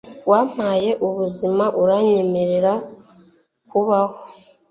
wampaye ubuzima uranyemerera kubaho